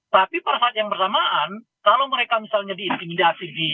tapi pada saat yang bersamaan kalau mereka misalnya diintimidasi